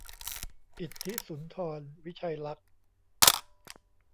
อิทธิสุนทร วิชัยลักษณ์